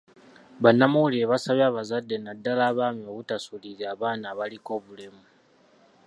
Bannamawulire basabye abazadde naddala abaami obutasuulirira baana abaliko bulemu.